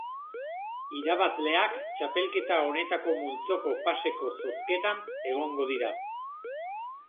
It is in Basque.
Irabazleak txapelketa honetako multzoko faseko zozketan egongo dira.